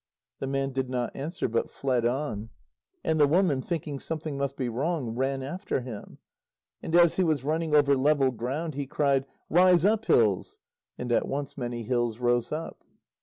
The man did not answer, but fled on. And the woman, thinking something must be wrong, ran after him. And as he was running over level ground, he cried: "Rise up, hills!" And at once many hills rose up.